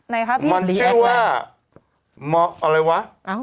ไหนครับพี่มันคือว่ามันเรียกว่าอะไรวะ